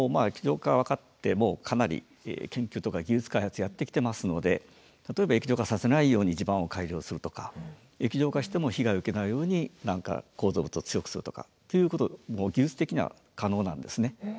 液状化が分かってもうかなり研究とか技術開発やってきてますので例えば液状化させないように地盤を改良するとか液状化しても被害を受けないように構造物を強くするとかということも技術的には可能なんですね。